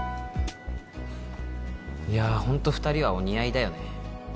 いやホント２人はお似合いだよね